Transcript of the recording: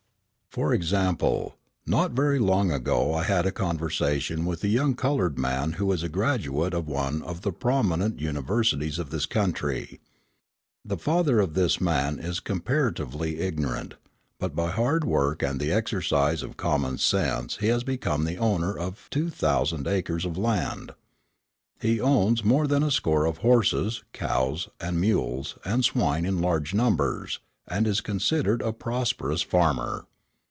For example, not very long ago I had a conversation with a young coloured man who is a graduate of one of the prominent universities of this country. The father of this man is comparatively ignorant, but by hard work and the exercise of common sense he has become the owner of two thousand acres of land. He owns more than a score of horses, cows, and mules and swine in large numbers, and is considered a prosperous farmer.